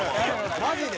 マジで？